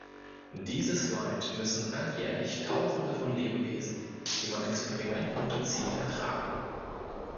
Dieses Leid müssen alljährlich Tausende von Lebewesen, die man Experimenten unterzieht, ertragen.